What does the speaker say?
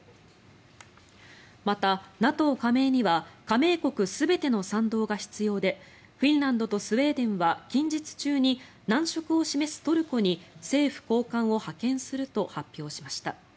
また、ＮＡＴＯ加盟には加盟国全ての賛同が必要でフィンランドとスウェーデンは近日中に難色を示すトルコに政府高官を派遣すると発表しました。